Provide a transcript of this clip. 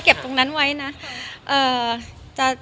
เก็บตรงนั้นไว้นะ